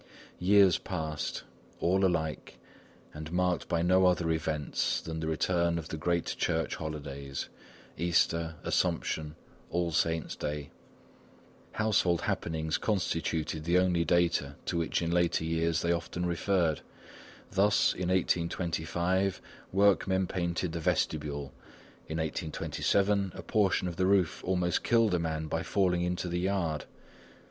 Years passed, all alike and marked by no other events than the return of the great church holidays: Easter, Assumption, All Saints' Day. Household happenings constituted the only data to which in later years they often referred. Thus, in 1825, workmen painted the vestibule; in 1827, a portion of the roof almost killed a man by falling into the yard.